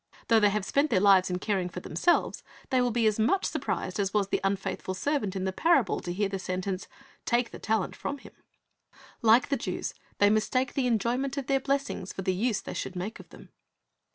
Though they have spent their lives in caring for themselves, they will be as much surprised as was the unfaithful servant in the parable to hear the sentence, "Take the talent from him." Like the Jews, they mistake the enjoyment of their blessings for the use they should make of them.